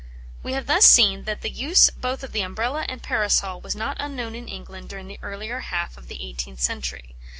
We have thus seen that the use both of the Umbrella and Parasol was not unknown in England during the earlier half of the eighteenth century.